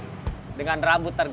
kita akan pergi sekarang